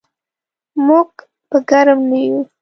موږ به ګرم نه یو.